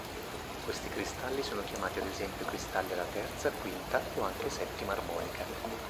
Questi cristalli sono chiamati ad esempio cristalli alla terza, quinta o anche settima armonica.